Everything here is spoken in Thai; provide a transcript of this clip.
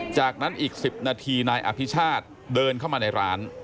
จากนั้นอีก๑๐นาทีนายอภิชาติเดินเข้ามาในร้าน